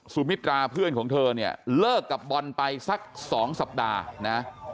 สุมิตราเพื่อนของเธอเนี่ยเลิกกับบอลไปสัก๒สัปดาห์นะ